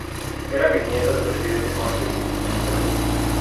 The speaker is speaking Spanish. Era bisnieto del Presidente Jorge Holguín.